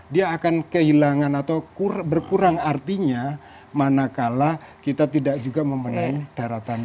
dia akan kehilangan atau berkurang artinya manakala kita tidak juga memenuhi daratan